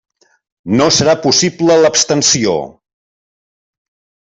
No serà possible l'abstenció.